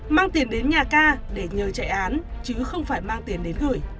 mang tiền đến nhà ca để nhờ chạy án chứ không phải mang tiền đến gửi